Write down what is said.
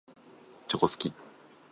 チョコ好き。